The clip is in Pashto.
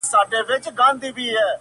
اې لکه ته! يو داسې بله هم سته!